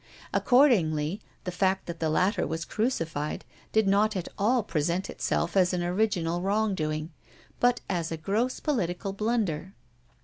Accordingly, the fact that the latter was crucified did not at all present itself as an original wrongdoing but as a gross, political blunder.